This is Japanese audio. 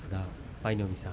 舞の海さん